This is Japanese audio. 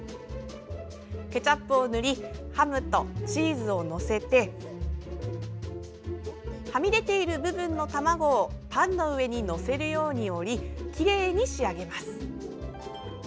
ケチャップを塗りハムとチーズを載せてはみ出ている部分の卵をパンの上に載せるように折りきれいに仕上げます。